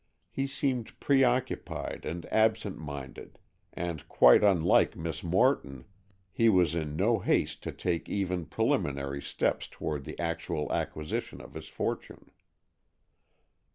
He seemed preoccupied and absent minded, and, quite unlike Miss Morton, he was in no haste to take even preliminary steps toward the actual acquisition of his fortune.